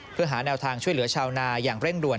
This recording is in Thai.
เพื่อหาแนวทางช่วยเหลือชาวนาอย่างเร่งด่วน